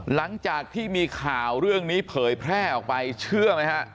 หลังจากที่มีข่าวเรื่องนี้เผยแพร่ออกไปเชื่อไหมฮะ